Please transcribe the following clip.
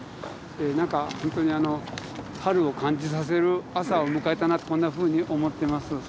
何か本当にあの春を感じさせる朝を迎えたなとこんなふうに思っています。